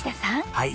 はい。